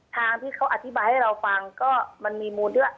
ทางที่เขาอธิบายให้เราฟังก็มันมีมูลด้วย